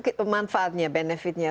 nah itu manfaatnya benefitnya